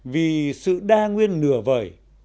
vì sự đa nguyên nửa vời